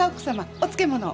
お漬物を。